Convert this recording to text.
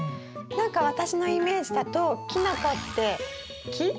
何か私のイメージだとキノコって木？